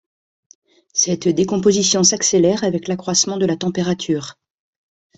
Cette décomposition s’accélère avec l’accroissement de la température.